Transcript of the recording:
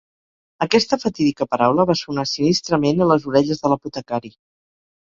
Aquesta fatídica paraula va sonar sinistrament a les orelles de l'apotecari.